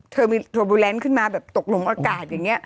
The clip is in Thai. เทอร์บูแลนต์ขึ้นมาตกลงอากาศอย่างนี้